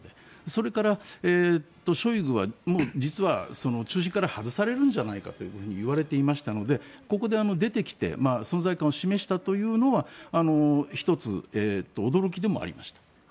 それから、ショイグは実は中心から外されるのではといわれていたのでここで出てきて存在感を示したというのは１つ、驚きでもありました。